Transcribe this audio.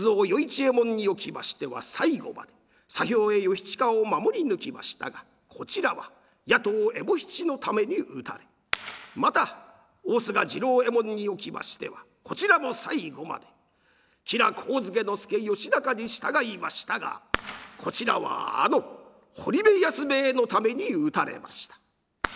右衛門におきましては最後まで左兵衛義周を守り抜きましたがこちらは矢頭右衛門七のために討たれまた大須賀次郎右衛門におきましてはこちらも最後まで吉良上野介義央に従いましたがこちらはあの堀部安兵衛のために討たれました。